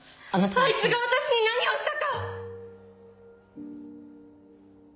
あいつが私に何をしたか！